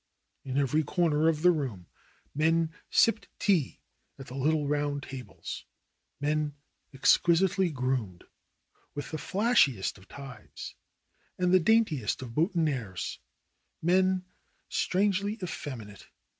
In every corner of the room men sipped tea at the little round tables, men ex quisitely groomed, with the flashiest of ties and the daintiest of boutonnieres, men strangely effeminate.